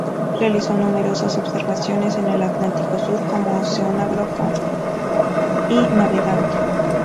Realizó numerosas observaciones en el Atlántico Sur como oceanógrafo y navegante.